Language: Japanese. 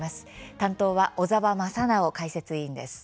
担当は小澤正修解説委員です。